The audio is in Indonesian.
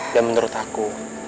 dan menurut aku